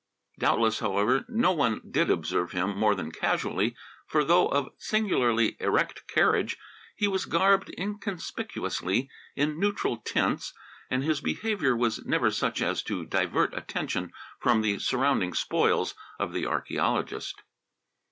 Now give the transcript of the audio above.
Doubtless, however, no one did observe him more than casually, for, though of singularly erect carriage, he was garbed inconspicuously in neutral tints, and his behaviour was never such as to divert attention from the surrounding spoils of the archaeologist.